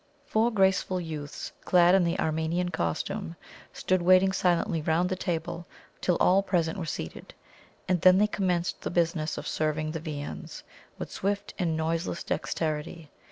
Four graceful youths, clad in the Armenian costume, stood waiting silently round the table till all present were seated, and then they commenced the business of serving the viands, with swift and noiseless dexterity.